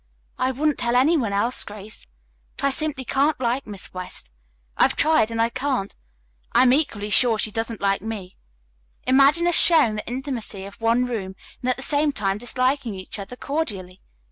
"I wouldn't tell any one else, Grace, but I simply can't like Miss West. I've tried, and I can't. I am equally sure she doesn't like me. Imagine us sharing the intimacy of one room, and at the same time disliking each other cordially.